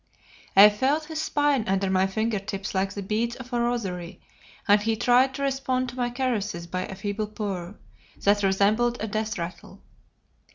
I felt his spine under my finger tips like the beads of a rosary, and he tried to respond to my caresses by a feeble purr that resembled a death rattle.